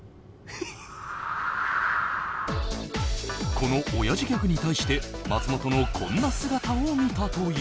この親父ギャグに対して松本のこんな姿を見たという